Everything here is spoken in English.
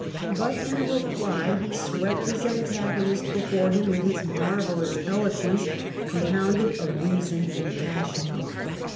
But in a reply he swept his antag onist before him with his marvellous eloquence, compounded of reason and passion.